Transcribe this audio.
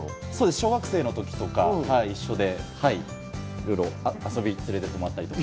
小学生のときとか一緒で、いろいろ遊びに連れて行ってもらったりとか。